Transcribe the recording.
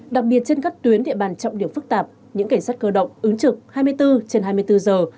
đặc biệt trên các tuyến địa bàn trọng điểm phức tạp những cảnh sát cơ động ứng trực hai mươi bốn trên hai mươi bốn giờ